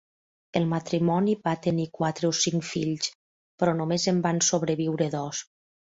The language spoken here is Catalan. EL matrimoni va tenir quatre o cinc fills, però només en van sobreviure dos.